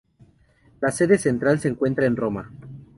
La sede central se encuentra en Roma.